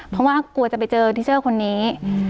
เพราะว่ากลัวจะไปเจอทิเซอร์คนนี้